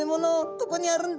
どこにあるんだ？